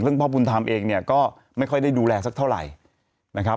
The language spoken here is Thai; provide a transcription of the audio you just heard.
ซึ่งพ่อบุญธรรมเองเนี่ยก็ไม่ค่อยได้ดูแลสักเท่าไหร่นะครับ